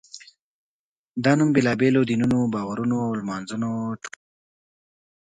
دا نوم بېلابېلو دینونو، باورونو او لمانځنو ټولګه ده.